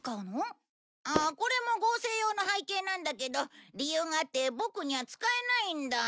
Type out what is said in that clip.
ああこれも合成用の背景なんだけど理由があってボクには使えないんだ。